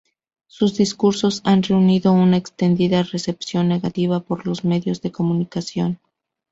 Sus discursos han reunido una extendida recepción negativa por los medios de comunicación.